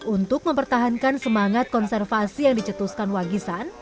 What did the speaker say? untuk mempertahankan semangat konservasi yang dicetuskan wagisan